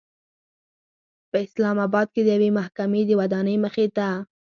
په اسلام آباد کې د یوې محکمې د ودانۍمخې ته